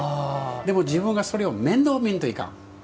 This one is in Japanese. でも、自分がそれを面倒見んといかん。